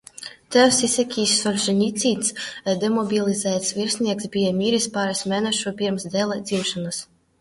Tēvs, Isakijs Solžeņicins, demobilizēts virsnieks, bija miris pāris mēnešu pirms dēla dzimšanas.